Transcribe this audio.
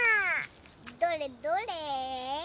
どれどれ？